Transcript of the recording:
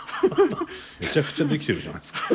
めちゃくちゃできてるじゃないですか。